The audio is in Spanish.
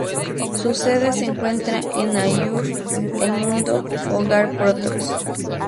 Su sede se encuentra en Aiur, el mundo-hogar Protoss.